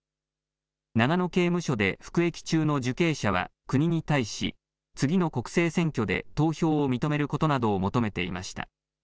長野刑務所で服役中の受刑者は、国に対し、次の国政選挙で投票を認めることなどを求めていました。